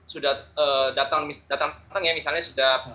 sudah datang orang ya misalnya sudah